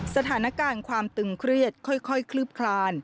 สถานการณ์ความตึงเครียดค่อยคลืบคลาน